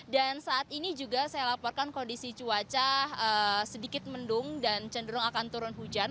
saat ini juga saya laporkan kondisi cuaca sedikit mendung dan cenderung akan turun hujan